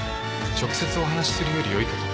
直接お話しするよりよいかと。